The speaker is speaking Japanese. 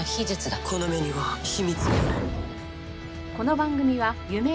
この目には秘密がある。